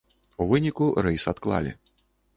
У выніку, рэйс адклалі.